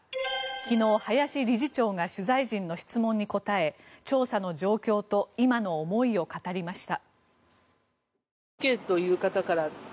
昨日、林理事長が取材陣の質問に答え調査の状況と今の思いを語りました。